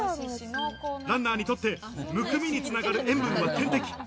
ランナーにとって、むくみに繋がる塩分は天敵。